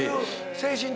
精神的に。